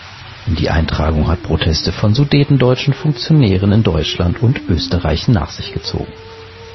Die Eintragung hat Proteste von sudetendeutschen Funktionären in Deutschland und Österreich nach sich gezogen.